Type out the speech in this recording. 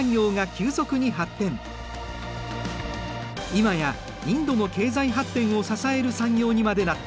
今やインドの経済発展を支える産業にまでなった。